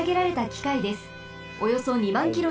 およそ２まんキロ